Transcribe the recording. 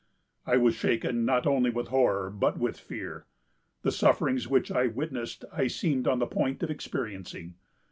I was shaken not only with horror, but with fear. The sufferings which I witnessed I seemed on the point of experiencing.